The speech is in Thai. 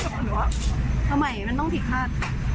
หรือว่าเอาใหม่มันต้องผิดคาด